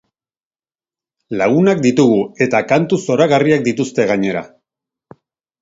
Lagunak ditugu eta kantu zoragarriak dituzte, gainera.